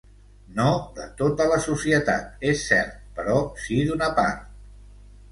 No de tota la societat, és cert, però sí d’una part.